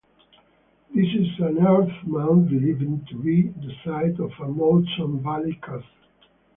This is an earth mound believed to be the site of a motte-and-bailey castle.